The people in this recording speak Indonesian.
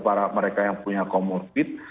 para mereka yang punya comorbid